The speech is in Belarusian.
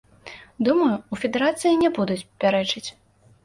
Думаю, у федэрацыі не будуць пярэчыць.